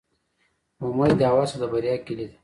امید او هڅه د بریا کیلي ده